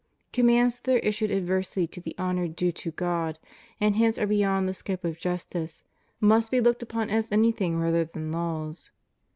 Com mands that are issued adversely to the honor due to God, and hence are beyond the scope of justice, must be looked upon as anything rather than laws.